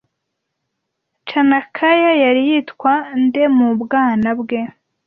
Chanakya yari yitwa nde mu bwana bwe